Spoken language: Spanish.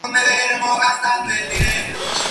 De tener una concentración mayor, la muestra se diluye.